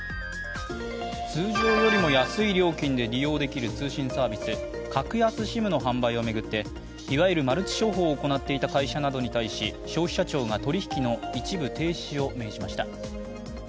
通常よりも安い料金で利用できる通信サービス、格安ＳＩＭの販売を巡って、いわゆるマルチ商法を行っていた会社などに対し消費者庁が取引の一部停止を命じました。